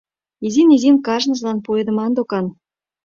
Изин-изин кажнылан пуэдыман докан.